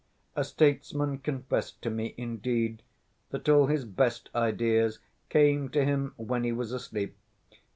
A statesman confessed to me, indeed, that all his best ideas came to him when he was asleep.